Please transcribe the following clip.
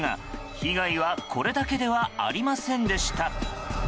被害はこれだけではありませんでした。